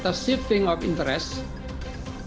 tapi menyalahkan residus mereka